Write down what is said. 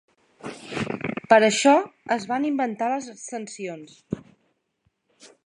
Per això es van inventar les extensions.